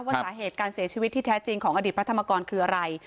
สาเหตุการเสียชีวิตที่แท้จริงของอดีตพระธรรมกรคืออะไร